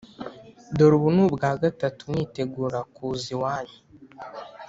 Dore ubu ni ubwa gatatu nitegura kuza iwanyu